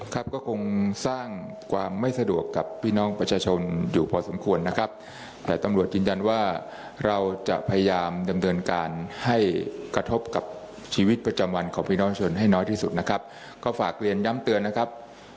ครับก็คงสร้างความไม่สะดวกกับพี่น้องประชาชนอยู่พอสมควรนะครับแต่ตำรวจยืนยันว่าเราจะพยายามดำเนินการให้กระทบกับชีวิตประจำวันของพี่น้องชนให้น้อยที่สุดนะครับก็ฝากเรียนย้ำเตือนนะครับ